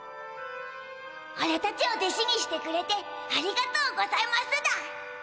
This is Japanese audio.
「おらたちをでしにしてくれてありがとうございますだ」。